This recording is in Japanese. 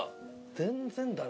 全然だな。